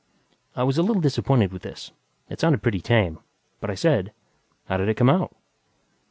I was a little disappointed with this; it sounded pretty tame. But I said, "How did it come out?"